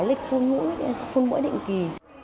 lịch phun mũi định kỳ